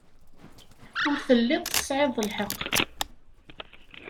Ur telliḍ tesɛiḍ lḥeqq.